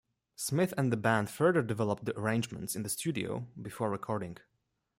Smith and the band further developed the arrangements in the studio before recording.